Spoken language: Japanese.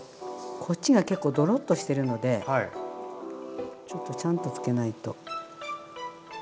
こっちが結構ドロッとしてるのでちょっとちゃんとつけないと。